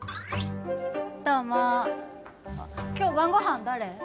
どうも今日晩ご飯誰？